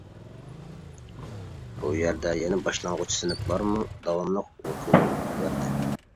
بۇ يەردە يەنە باشلانغۇچ سىنىپلارمۇ داۋاملىق ئوقۇۋەردى.